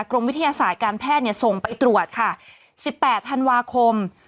กรมวิทยาศาสตร์การแพทย์ส่งไปตรวจค่ะ๑๘ธันวาคม